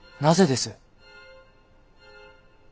なぜです？